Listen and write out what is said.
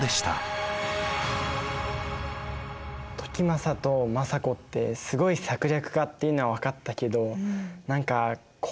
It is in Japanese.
時政と政子ってすごい策略家っていうのは分かったけど何か怖いよね。